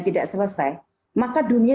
tidak selesai maka dunia